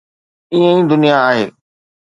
ائين ئي دنيا آهي.